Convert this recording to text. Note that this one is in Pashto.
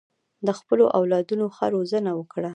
د خپلو اولادونو ښه روزنه وکړه.